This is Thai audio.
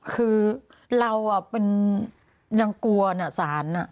คือเราเป็นยังกวนสาร